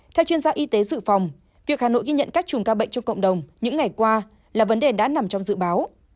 theo chuyên gia y tế dự phòng việc hà nội ghi nhận các chùm ca bệnh trong cộng đồng những ngày qua là vấn đề đã nằm trong dự báo